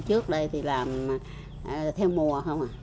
trước đây thì làm theo mùa